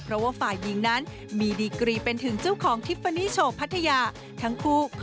เพราะว่าฝ่ายยิงนั้นมีดีกรีเป็นถึงเจ้าของ